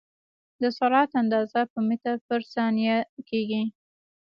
د سرعت اندازه په متر پر ثانیه کېږي.